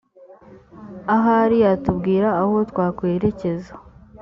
ahari yatubwira aho twakwerekeza